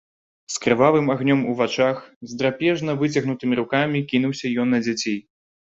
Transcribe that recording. З крывавым агнём у вачах, з драпежна выцягнутымі рукамі кінуўся ён на дзяцей.